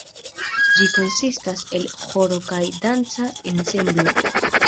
Ĝi konsistas el ĥoro kaj danca ensemblo.